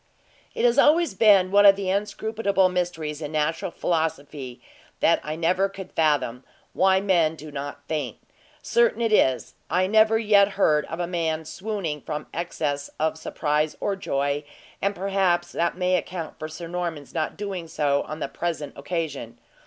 It has always been one of the inscrutable mysteries in natural philosophy that I never could fathom, why men do not faint. Certain it is, I never yet heard of a man swooning from excess of surprise or joy, and perhaps that may account for Sir Norman's not doing so on the present occasion.